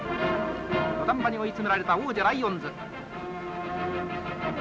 土壇場に追い詰められた王者ライオンズ。